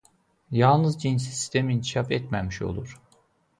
Yalnız cinsi sistem inkişaf etməmiş olur.